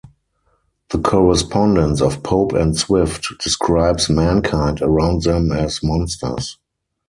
The correspondence of Pope and Swift describes mankind around them as monsters.